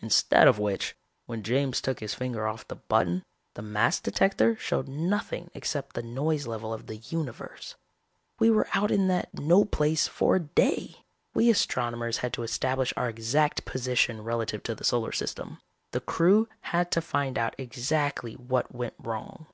Instead of which, when James took his finger off the button, the mass detector showed nothing except the noise level of the universe. "We were out in that no place for a day. We astronomers had to establish our exact position relative to the solar system. The crew had to find out exactly what went wrong.